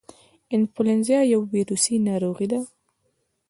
انفلونزا یو ویروسي ناروغي ده